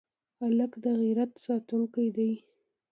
هلک د عزت ساتونکی دی.